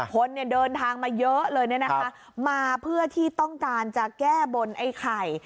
คนเนี่ยเดินทางมาเยอะเลยเนี่ยนะคะมาเพื่อที่ต้องการจะแก้บนไอ้ไข่